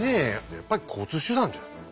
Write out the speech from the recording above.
やっぱり交通手段じゃないの？